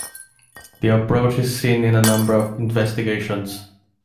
The approach is seen in a number of investigations.